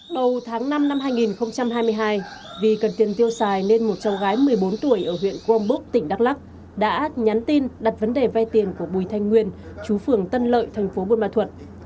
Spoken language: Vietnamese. đầu tháng năm năm hai nghìn hai mươi hai vì cần tiền tiêu xài nên một cháu gái một mươi bốn tuổi ở huyện crombok tỉnh đắk lắc đã nhắn tin đặt vấn đề vay tiền của bùi thanh nguyên chú phường tân lợi thành phố buôn ma thuận